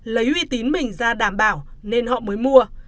lấy uy tín mình ra đảm bảo nên họ mới mua